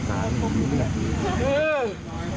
เจ๋ง